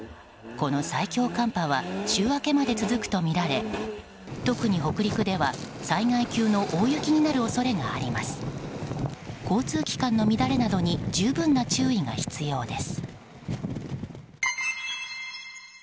この最強寒波は週明けまで続くとみられ特に北陸では災害級の大雪になる恐れがあります。